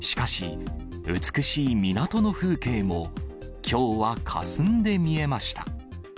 しかし、美しい港の風景もきょうはかすんで見えました。